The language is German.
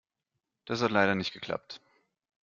Das hat leider nicht geklappt.